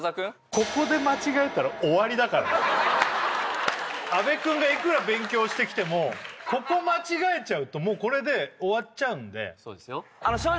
ここで間違えたら終わりだからね阿部くんがいくら勉強してきてもここ間違えちゃうともうこれで終わっちゃうんで正直